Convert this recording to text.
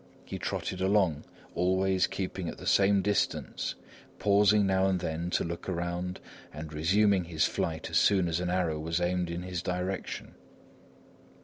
He trotted along, always keeping at the same distance, pausing now and then to look around and resuming his flight as soon as an arrow was aimed in his direction.